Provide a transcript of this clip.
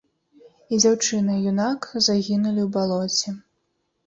І дзяўчына і юнак загінулі ў балоце.